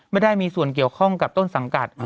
ไม่ได้มีส่วนเกี่ยวข้องกับต้นสังกัด